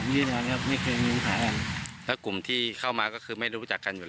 แล้วกลุ่มที่เข้ามาก็คือไม่ได้รู้จักกันอยู่แล้ว